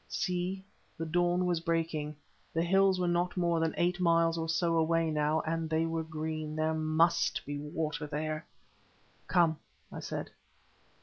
See, the dawn was breaking. The hills were not more than eight miles or so away now, and they were green. There must be water there. "Come," I said.